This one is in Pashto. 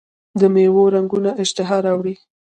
د میوو رنګونه اشتها راوړي.